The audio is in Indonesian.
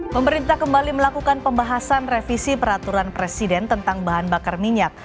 pemerintah kembali melakukan pembahasan revisi peraturan presiden tentang bahan bakar minyak